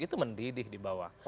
itu mendidih di bawah